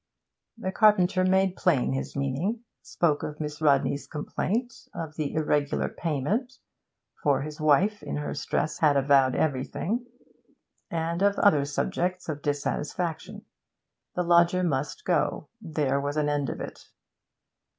The carpenter made plain his meaning; spoke of Miss Rodney's complaint, of the irregular payment (for his wife, in her stress, had avowed everything), and of other subjects of dissatisfaction; the lodger must go, there was an end of it.